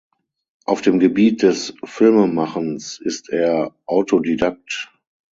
Auf dem Gebiet des Filmemachens ist er Autodidakt.